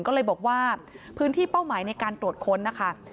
ก็เลยบอกว่าพื้นที่เป้าหมายในการตรวจค้นนะคะ